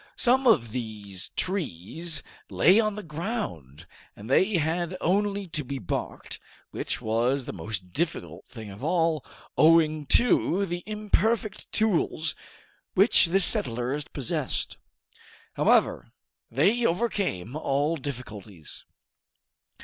Some of these trees lay on the ground, and they had only to be barked, which was the most difficult thing of all, owing to the imperfect tools which the settlers possessed. However, they overcame all difficulties.